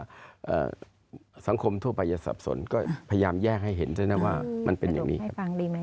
ว่าสังคมทั่วไปจะสับสนก็พยายามแยกให้เห็นใช่ไหมว่ามันเป็นอย่างนี้ครับ